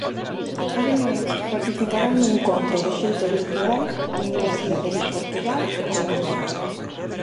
Ademais, participarán no encontro, de xeito virtual, universidades de Portugal e Colombia.